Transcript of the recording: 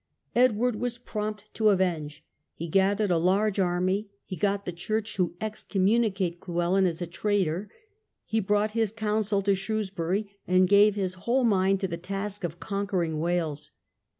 Edward was prompt to avenge. He The Conquest gathered a great army, he got the church to of Wales. excommunicate Llewellyn as a traitor, he brought his council to Shrewsbury, and gave his whole mind to the task of conquering Wales.